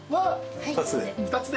２つで。